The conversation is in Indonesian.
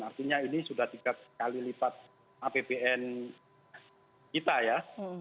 artinya ini sudah tiga kali lipat apbn kita ya